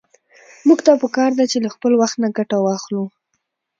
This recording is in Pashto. موږ ته په کار ده چې له خپل وخت نه ګټه واخلو.